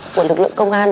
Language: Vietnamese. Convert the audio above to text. của lực lượng công an